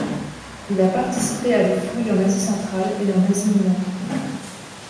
Il a participé à des fouilles en Asie centrale et en Asie mineure.